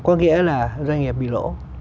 có nghĩa là doanh nghiệp bị lỗ